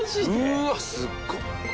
「うわすごっ！」